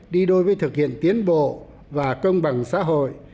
đi đôi với thực hiện tiến bộ và công bằng xã hội